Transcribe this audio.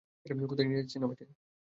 কোথায় নিয়ে যাচ্ছেন আমাকে?